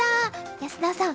安田さん